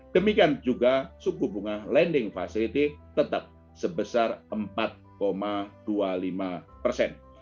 demikian juga suku bunga lending facility tetap sebesar empat dua puluh lima persen